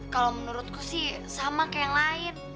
kalau menurutku sih sama kayak yang lain